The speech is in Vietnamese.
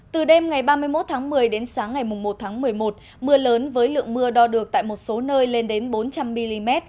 từ đêm ngày ba mươi một tháng một mươi đến sáng ngày một tháng một mươi một mưa lớn với lượng mưa đo được tại một số nơi lên đến bốn trăm linh mm